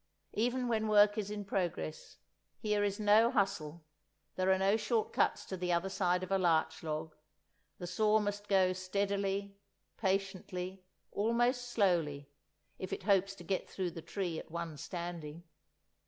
Even when work is in progress, here is no hustle; there are no short cuts to the other side of a larch log; the saw must go steadily, patiently, almost slowly, if it hopes to get through the tree at one standing.